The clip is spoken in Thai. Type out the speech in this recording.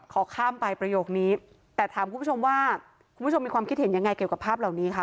ขอข้ามไปประโยคนี้แต่ถามคุณผู้ชมว่าคุณผู้ชมมีความคิดเห็นยังไงเกี่ยวกับภาพเหล่านี้ค่ะ